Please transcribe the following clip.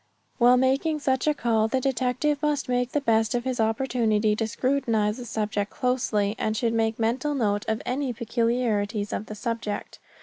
While making such a call the detective must make the best of his opportunity to scrutinize the subject closely, and should make mental note of any peculiarities of the subject.